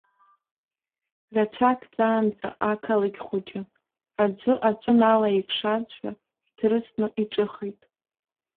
Рацәак ҵаанӡа ақалақь хәыҷы, аӡәы аҵәы налаиқшазшәа, иҭрысны иҿыхеит.